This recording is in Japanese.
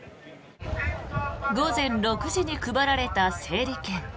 午前６時に配られた整理券。